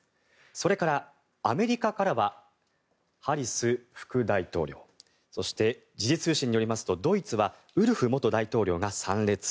それからアメリカからはハリス副大統領そして、時事通信によりますとドイツはウルフ元大統領が参列。